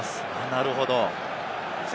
なるほど。